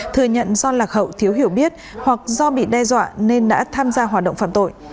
thừa nhận do lạc hậu thiếu hiểu biết hoặc do bị đe dọa nên đã tham gia hoạt động phạm tội